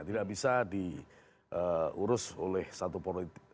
tidak bisa diurus oleh satu politik